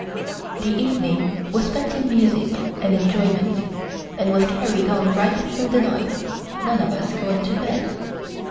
The evening was spent in music and enjoyment, and was carried on right through the night, none of us going to bed.